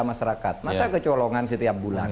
masyarakat masa kecolongan setiap bulan